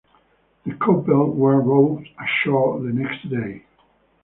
The couple were rowed ashore the next day.